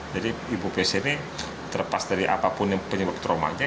jadi ibu pc ini terlepas dari apapun yang penyebab trauma nya